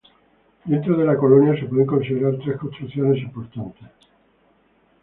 Dentro de la colonia se pueden considerar tres construcciones importantes.